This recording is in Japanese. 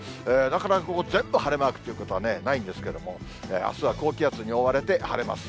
なかなか全部晴れマークっていうのはないんですけども、あすは高気圧に覆われて晴れます。